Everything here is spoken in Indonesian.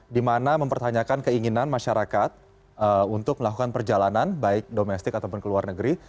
di mana mempertanyakan keinginan masyarakat untuk melakukan perjalanan baik domestik ataupun ke luar negeri